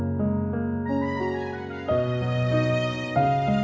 kita bisa bersama